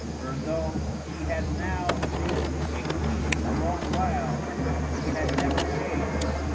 For, though she had now been a Queen a long while, she had never changed.